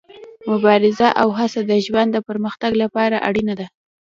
مبارزه او هڅه د ژوند د پرمختګ لپاره اړینه ده.